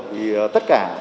thì tất cả